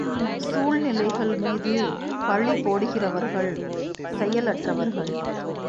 சூழ்நிலைகள் மீது பழி போடுகிறவர்கள் செயலற்றவர்கள்.